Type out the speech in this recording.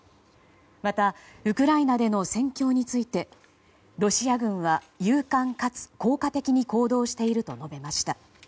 また、ウクライナでの戦況についてロシア軍は勇敢かつ効果的に行動していると述べました。